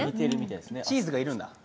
チーズがいるんだ。